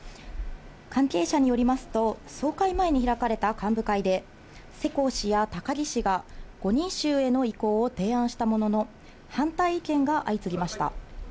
関係者によりますと、総会前に開かれた幹部会で、世耕氏や高木氏が、５人衆への移行を提案したものの、反対意見が相次ぎました。